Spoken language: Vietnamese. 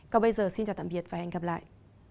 còn bây giờ xin chào tạm biệt và hẹn gặp lại